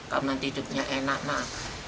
kamu nanti hidupnya enak nah